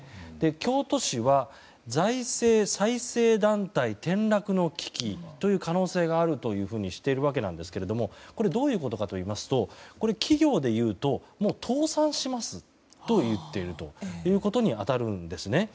京都市は財政再生団体転落の危機という可能性があるというふうにしてるわけなんですがどういうことかといいますと企業でいうともう倒産しますと言っているということに当たるんです。